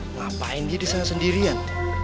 ngapain dia disana sendirian